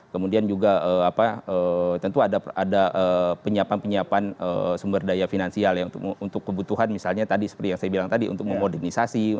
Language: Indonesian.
kemudian juga tentu ada penyiapan penyiapan sumber daya finansial ya untuk kebutuhan misalnya tadi seperti yang saya bilang tadi untuk memodernisasi